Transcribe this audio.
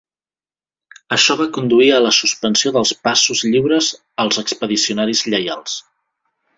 Això va conduir a la suspensió dels passos lliures als expedicionaris lleials.